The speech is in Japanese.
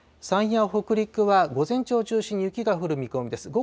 山陰や北陸は、午前中を中心に雪が降る見込みです。